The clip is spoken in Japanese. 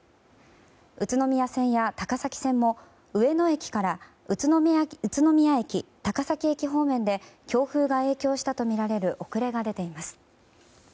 宇都宮線や高崎線も上野駅から宇都宮駅高崎線方面で強風が影響したとみられる遅れが出ています。